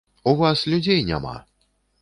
У вас людзей няма.